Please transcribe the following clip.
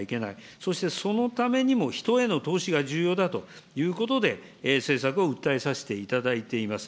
そしてそのためにも、人への投資が重要だということで、政策を訴えさせていただいております。